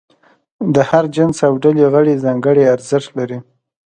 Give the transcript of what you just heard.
د هر جنس او ډلې غړي ځانګړي ارزښت لري.